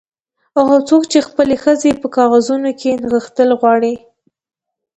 او څوک چې خپلې ښځې په کاغذونو کې نغښتل غواړي